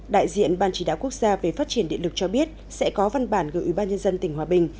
đại diện ban chỉ đạo quốc gia về phát triển điện lực cho biết sẽ có văn bản gửi ủy ban nhân dân tỉnh hòa bình